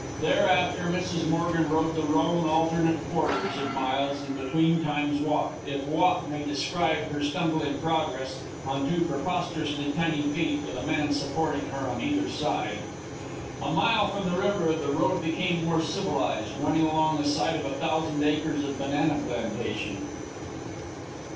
Thereafter, Mrs. Morgan rode the roan alternate quarters of miles, and between times walked if walk may describe her stumbling progress on two preposterously tiny feet with a man supporting her on either side. A mile from the river, the road became more civilized, running along the side of a thousand acres of banana plantation.